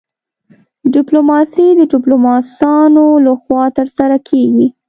ډیپلوماسي د ډیپلوماتانو لخوا ترسره کیږي